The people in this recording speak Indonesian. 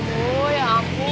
aduh ya ampun